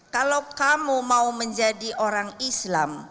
kalau kamu mau menjadi orang islam